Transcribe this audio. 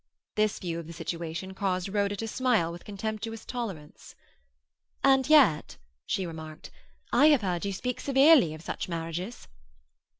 This view of the situation caused Rhoda to smile with contemptuous tolerance. "And yet," she remarked, "I have heard you speak severely of such marriages."